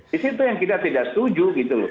di situ yang kita tidak setuju gitu loh